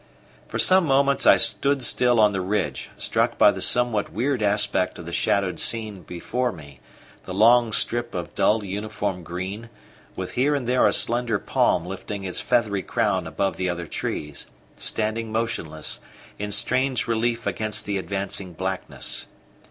For some moments I stood still on the ridge, struck by the somewhat weird aspect of the shadowed scene before me the long strip of dull uniform green, with here and there a slender palm lifting its feathery crown above the other trees, standing motionless, in strange relief against the advancing blackness.